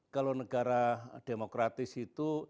kalau negara demokratis itu